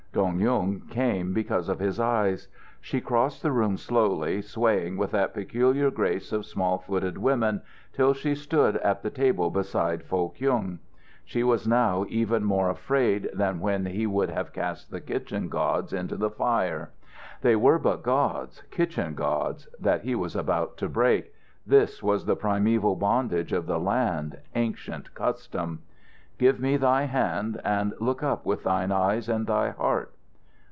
Dong Yung came because of his eyes. She crossed the room slowly, swaying with that peculiar grace of small footed women, till she stood at the table beside Foh Kyung. She was now even more afraid than when he would have cast the kitchen gods into the fire. They were but gods, kitchen gods, that he was about to break; this was the primeval bondage of the land, ancient custom. "Give me thy hand and look up with thine eyes and thy heart."